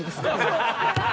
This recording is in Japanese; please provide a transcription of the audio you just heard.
ハハハハ！